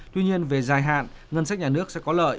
tuy nhiên về dài hạn ngân sách nhà nước sẽ có lợi